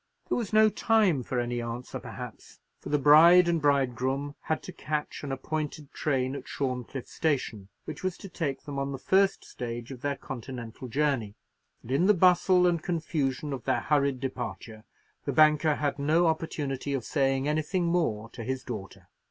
There was no time for any answer, perhaps, for the bride and bridegroom had to catch an appointed train at Shorncliffe station, which was to take them on the first stage of their Continental journey; and in the bustle and confusion of their hurried departure, the banker had no opportunity of saying anything more to his daughter.